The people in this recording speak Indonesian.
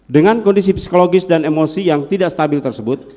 dengan kondisi psikologis dan emosi yang tidak stabil tersebut